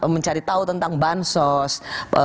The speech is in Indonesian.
mencari tahu tentang bansos